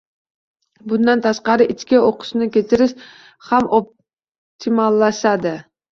Bundan tashqari, ichki o‘qishni ko‘chirish ham optimallashadi.